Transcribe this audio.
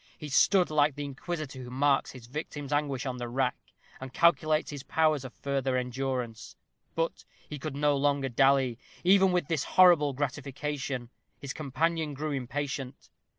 He stood like the inquisitor who marks his victim's anguish on the rack, and calculates his powers of further endurance. But he could no longer dally, even with this horrible gratification. His companion grew impatient.